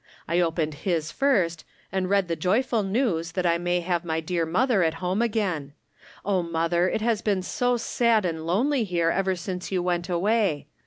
I opened his first, and read the joyful news that I may have my dear mother at home again. Oh, mother, it has been so sad and lonely here ever since you went away.